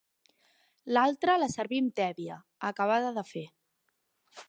L'altra la servim tèbia, acabada de fer.